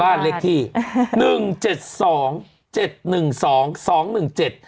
บ้านเลขที่หนึ่งเจ็ดสองเจ็ดหนึ่งสองสองหนึ่งเจ็ด